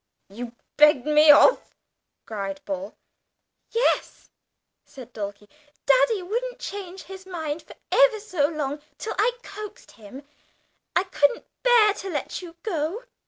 "You begged me off!" cried Paul. "Yes," said Dulcie; "Daddy wouldn't change his mind for ever so long till I coaxed him. I couldn't bear to let you go."